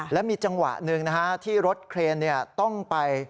และมีจังหวะหนึ่งนะฮะที่รถเครนต้องไป